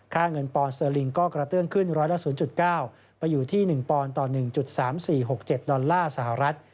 ค่าเงินปอนด์สเตอรินก็กระเตื้องขึ้น๑๐๐๙ไปอยู่ที่๑ปอนด์ต่อ๑๓๔๖๗ดอลลาร์สหรัฐ